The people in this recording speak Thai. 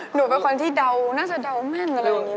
หนูเป็นคนที่เดาน่าจะเดาแม่นกันเลย